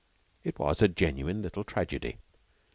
It was a genuine little tragedy.